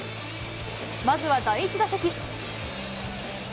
まずは第１打席。